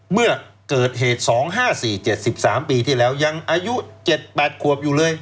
เมื่อเกิดเหตุ๒๕๔๗๓ปีที่แล้วยังอายุ๗๘ขวบอยู่เลย